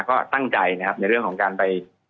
ก็ตั้งใจในเรื่องของการไป